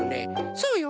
そうよ。